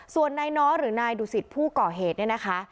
ส่วนนายน้อหรือนายดุสิตผู้ก่อเหตุเนี่ยนะคะ